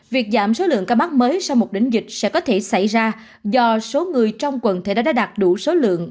việc giảm số lượng ca mắc mới sau một đỉnh dịch sẽ có thể xảy ra do số người trong quần thể đã đạt đủ số lượng